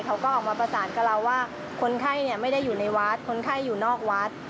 เขาก็ออกมาประสานกับเราว่าคนไข้ไม่ได้อยู่ในวัดคนไข้อยู่นอกวัด